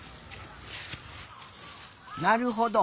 なるほど。